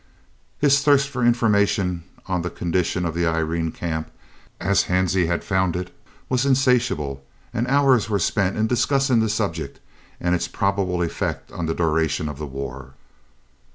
His thirst for information on the condition of the Irene Camp, as Hansie had found it, was insatiable, and hours were spent in discussing the subject and its probable effect on the duration of the war.